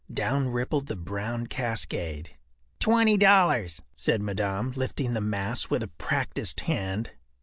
” Down rippled the brown cascade. “Twenty dollars,” said Madame, lifting the mass with a practised hand.